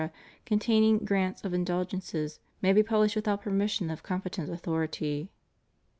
containing grants of indulgences, may be published without permission of competent authority.